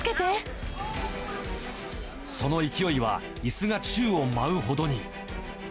その勢いは、いすが宙を舞うほどに。